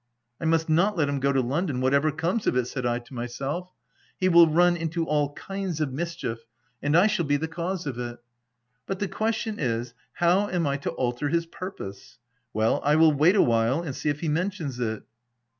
" I must not let him go to London, whatever comes of it," said I to myself: " he will run into all kinds of mischief, and I shall be the cause of it. But the question is, how am I to alter his purpose? — Well, I will wait awhile, and see if he mentions it."